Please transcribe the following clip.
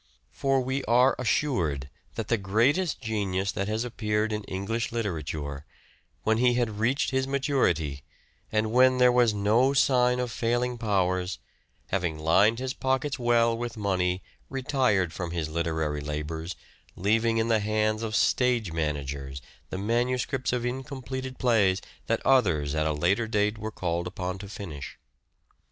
For we are assured that the greatest genius that has appeared in English literature, when he had reached his maturity, and when there was no sign of failing powers, having lined his pockets well with money, retired from his literary labours, leaving in the hands of stage managers the manuscripts ot incompleted plays, that others, at a later date, were called upon to finish.